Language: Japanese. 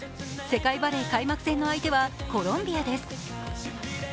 世界バレー開幕戦の相手はコロンビアです。